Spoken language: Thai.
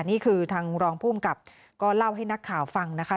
นี่คือทางรองภูมิกับก็เล่าให้นักข่าวฟังนะคะ